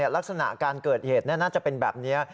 ลักษณะการเกิดเหตุน่าจะเป็นแบบนี้